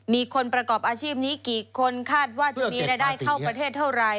มีคนประกอบอาชีพนี้กี่คนคาดว่าจะมีรายได้เข้าประเทศเท่าไร